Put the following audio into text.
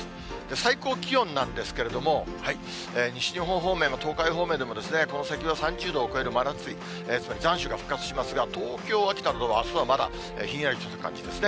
最高気温なんですけれども、西日本方面も東海方面でも、この先は３０度を超える真夏日、つまり残暑が復活しますが、東京、秋田などはあすはまだひんやりとした感じですね。